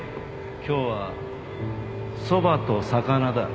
今日はそばと魚だ。